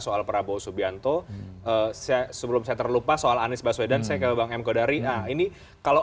soal prabowo subianto sebelum saya terlupa soal anies baswedan saya ke bang m kodari ini kalau